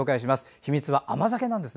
秘密は甘酒です。